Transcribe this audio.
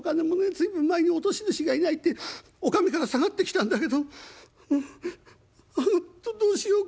随分前に落とし主がいないってお上から下がってきたんだけどあのどうしよう